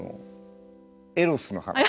エロスの話。